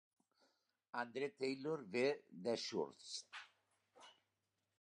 Andre Taylor ve d'Ashhurst.